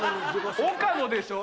岡野でしょ？